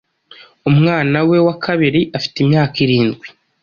Umwana we wa kabiri afite imyaka irindwi.